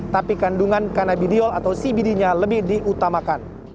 tapi kandungan kanabidiol atau cbd nya lebih diutamakan